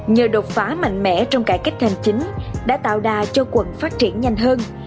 nhờ đột phá mạnh mẽ trong cải cách hành chính đã tạo đà cho quận phát triển nhanh hơn